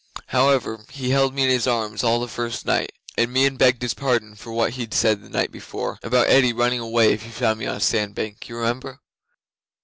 However, he held me in his arms all the first night, and Meon begged his pardon for what he'd said the night before about Eddi, running away if he found me on a sandbank, you remember.